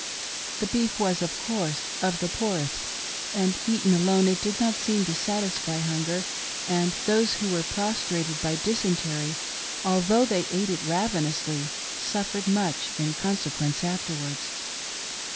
The beef was, of course, of the poorest, and, eaten alone, it did not seem to satisfy hunger, and those who were prostrated by dysentery, although they ate it ravenously, suffered much in consequence afterwards.